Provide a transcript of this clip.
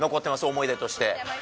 思い出として。